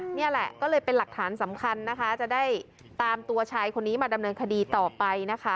นี่แหละก็เลยเป็นหลักฐานสำคัญนะคะจะได้ตามตัวชายคนนี้มาดำเนินคดีต่อไปนะคะ